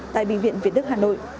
tại bệnh viện việt đức hà nội